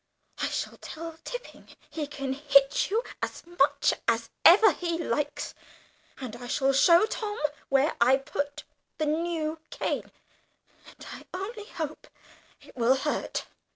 I shall tell Tipping he can hit you as much as ever he likes, and I shall show Tom where I put the new cane and I only hope it will hurt!"